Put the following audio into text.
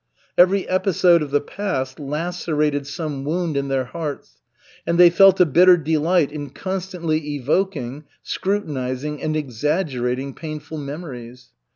Every episode of the past lacerated some wound in their hearts, and they felt a bitter delight in constantly evoking, scrutinizing and exaggerating painful memories.